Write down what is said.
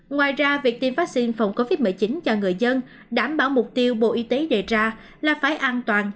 ngoài ra việc tiêm vaccine phòng covid một mươi chín cho người dân đảm bảo mục tiêu bộ y tế đề ra là phải an toàn